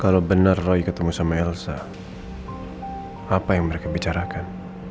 kalau benar roy ketemu sama elsa apa yang mereka bicarakan